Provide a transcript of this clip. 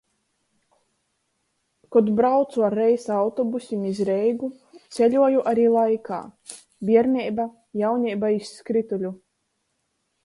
Kod braucu ar reisa autobusim iz Reigu, ceļoju ari laikā: bierneiba, jauneiba iz skrytuļu.